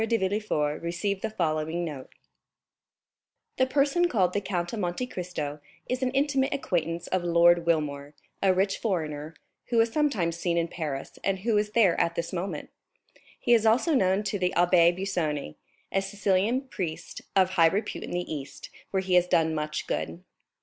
de Villefort received the following note: "The person called the Count of Monte Cristo is an intimate acquaintance of Lord Wilmore, a rich foreigner, who is sometimes seen in Paris and who is there at this moment; he is also known to the Abbé Busoni, a Sicilian priest, of high repute in the East, where he has done much good."